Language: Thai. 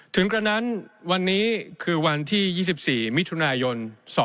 กระนั้นวันนี้คือวันที่๒๔มิถุนายน๒๕๖